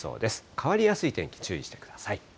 変わりやすい天気、注意してください。